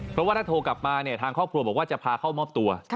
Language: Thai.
เพราะว่าถ้าโทรกลับมาเนี่ยทางครอบครัวบอกว่าจะพาเข้ามอบตัว